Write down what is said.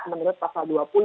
menurut pasal dua puluh